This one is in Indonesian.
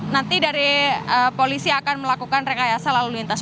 nanti dari polisi akan melakukan rekayasa lalu lintas